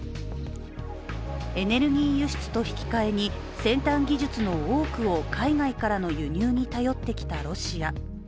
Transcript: エネルギー輸出と引き換えに先端技術の多くを海外からの輸入に頼ってきたロシア。